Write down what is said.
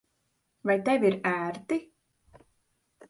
Vai tev ir ērti?